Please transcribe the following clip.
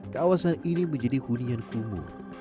kawasan ini menjadi hunian kumuh